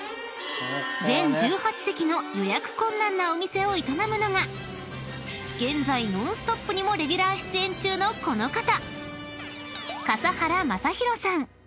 ［全１８席の予約困難なお店を営むのが現在『ノンストップ！』にもレギュラー出演中のこの方］